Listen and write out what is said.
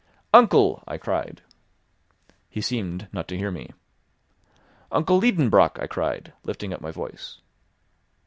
"Uncle!" I cried. He seemed not to hear me. "Uncle Liedenbrock!" I cried, lifting up my voice.